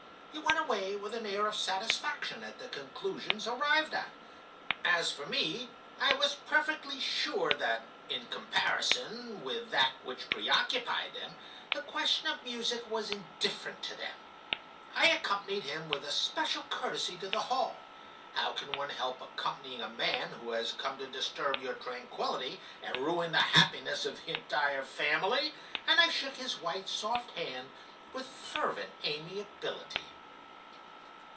He went away with an air of satisfaction at the conclusions arrived at. As for me, I was perfectly sure that, in comparison with that which preoccupied them, the question of music was indifferent to them. I accompanied him with especial courtesy to the hall (how can one help accompanying a man who has come to disturb your tranquillity and ruin the happiness of the entire family?), and I shook his white, soft hand with fervent amiability."